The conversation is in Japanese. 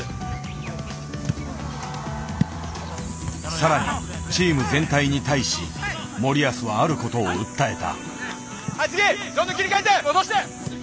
更にチーム全体に対し森保はある事を訴えた。